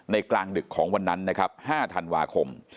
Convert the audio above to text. กลางดึกของวันนั้นนะครับ๕ธันวาคม